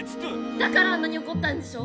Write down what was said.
だからあんなにおこったんでしょ。